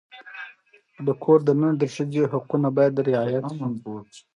د کور دننه د ښځې حقونه باید رعایت شي.